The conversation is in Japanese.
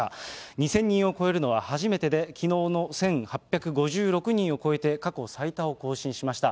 ２０００人を超えるのは初めてで、きのうの１８５６人を超えて過去最多を更新しました。